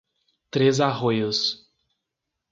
Três Arroios